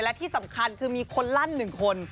และที่สำคัญคือมีคนลั่น๑คน